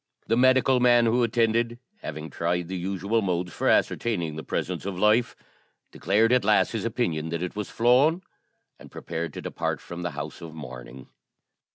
The medical man who attended, having tried the usual modes for ascertaining the presence of life, declared at last his opinion that it was flown, and prepared to depart from the house of mourning.